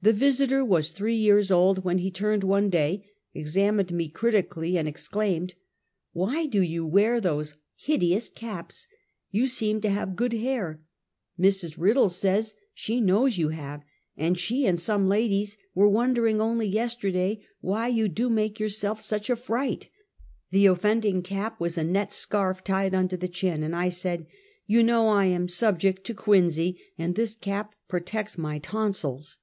The Visiter was three years old when he turned one day, examined me critically, and exclaimed: " Why do you wear those hideous caps? You seem to have good hair. Mrs. Kiddle says she knows you have, and she and some ladies were wondering only yesterday, why you do make yourself such a fright." The offending cap was a net scarf tied under the chin, and I said, "You know I am subject to quinsy, and this cap protects my tonsils."